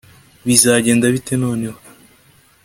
bizagenda bite noneho